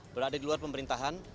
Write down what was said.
berada di luar pemerintahan